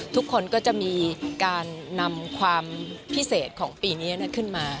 ทุกคนก็จะมีการนำความพิเศษของปีนี้ขึ้นมา